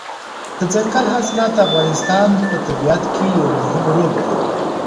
دځنګل حاصلات د افغانستان په طبیعت کې یو مهم رول لري.